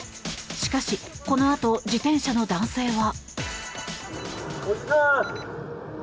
しかし、このあと自転車の男性は。